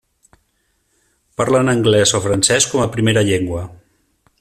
Parlen anglès o francès com a primera llengua.